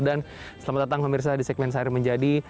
dan selamat datang pemirsa di segmen saya menjadi